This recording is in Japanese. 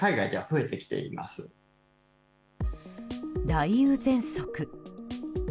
雷雨ぜんそく。